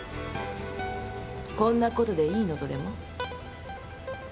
「こんなことでいいの」とでも？